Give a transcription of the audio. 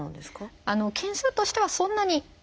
件数としてはそんなに多くは。